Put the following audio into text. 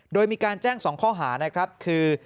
โดยมีการแจ้ง๒ข้อหานะครับคือ